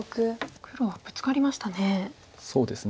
黒はブツカりましたね。